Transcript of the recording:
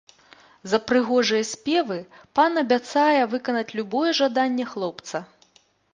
За прыгожыя спевы пан абяцае выканаць любое жаданне хлопца.